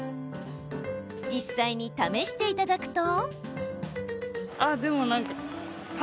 実際に試していただくと。